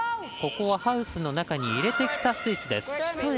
ここはハウスの中に入れてきたスイスです。